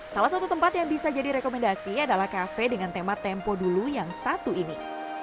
salah satu tempat yang bisa jadi rekomendasi adalah kafe dengan tema tempo dulu yang satu ini